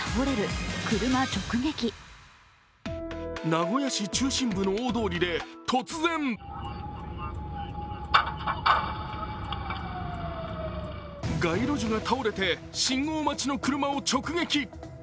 名古屋市中心部の大通りで突然街路樹が倒れて、信号待ちの車を直撃。